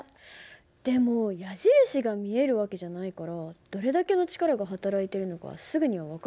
でも矢印が見える訳じゃないからどれだけの力がはたらいてるのかすぐには分からないよね。